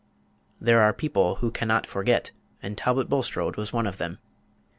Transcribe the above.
There are people who can not forget, and Talbot Bulstrode was one of them.